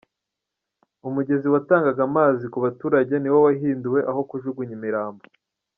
Umugezi watangaga amazi ku baturage niwo wahinduwe aho kujugunya imirambo.